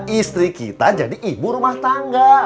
istri kita jadi ibu rumah tangga